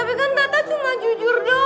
tapi kan tata cuma jujur doang